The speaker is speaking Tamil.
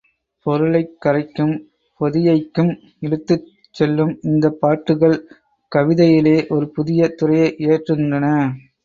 பொருளைக் கரைக்கும் பொதியைக்கும் இழுத்துச் செல்லும் இந்தப் பாட்டுகள், கவிதையிலே ஒரு புதிய துறையை இயற்றுகின்றன.